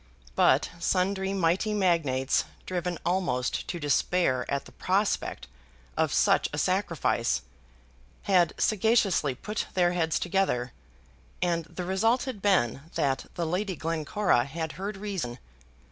But sundry mighty magnates, driven almost to despair at the prospect of such a sacrifice, had sagaciously put their heads together, and the result had been that the Lady Glencora had heard reason.